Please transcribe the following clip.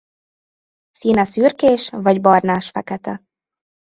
Színe szürkés-vagy barnásfekete.